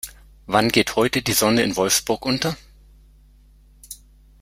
Wann geht heute die Sonne in Wolfsburg unter?